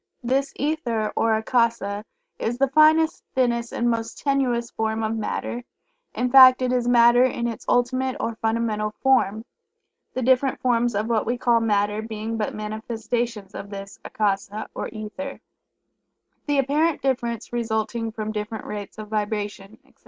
This Ether or Akasa is the finest, thinnest and most tenuous form of Matter, in fact it is Matter in its ultimate or fundamental form, the different forms of what we call Matter being but manifestations of this Akasa or Ether, the apparent difference resulting from different rates of vibration, etc.